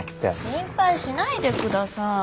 心配しないでください。